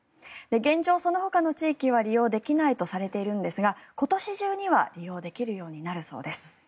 現状、そのほかの地域は利用できないとされているんですが今年中には利用できるようになるそうです。